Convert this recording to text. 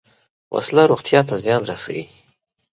وسله روغتیا ته زیان رسوي